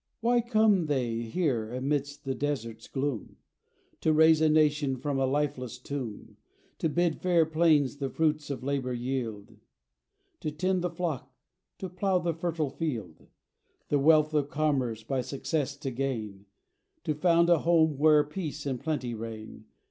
Why come they here, amidst the desert's gloom? To raise a nation from a lifeless tomb; To bid fair plains the fruits of labour yield; To tend the flock; to plough the fertile field; The wealth of commerce by success to gain; To found a home where peace and plenty reign.